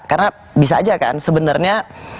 karena bisa aja kan sebenarnya